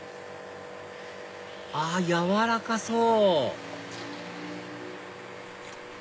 あっ軟らかそう！